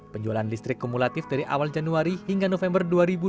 penjualan listrik kumulatif dari awal januari hingga november dua ribu dua puluh